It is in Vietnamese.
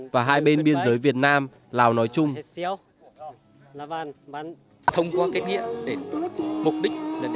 và hai biên giới